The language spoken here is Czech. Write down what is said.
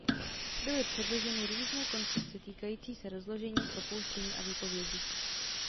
Byly předloženy různé koncepce týkající rozložení propouštění a výpovědi.